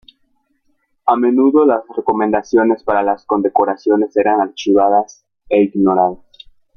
A menudo, las recomendaciones para las condecoraciones eran archivadas e ignoradas.